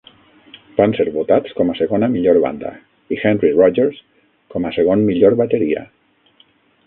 Van ser votats com a segona millor banda, i Henry Rogers com a segon millor bateria.